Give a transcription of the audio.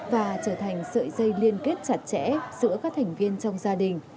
và trở thành sợi dây liên kết chặt chẽ giữa các thành viên trong gia đình